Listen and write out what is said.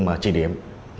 mà trị điểm